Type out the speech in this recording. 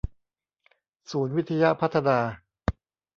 ศูนย์วิทยพัฒนา